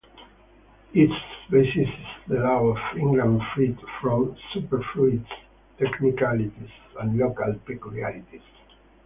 Its basis is the law of England freed from superfluities, technicalities and local peculiarities.